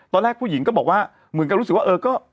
ตอนแรกผู้หญิงก็บอกว่าเหมือนกับรู้สึกว่าเออก็